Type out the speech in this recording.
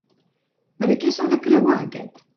Per a què s'ha de creuar aquest?